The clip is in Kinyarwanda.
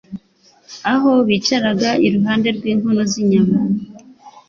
aho bicaraga iruhande rw’inkono z’inyama.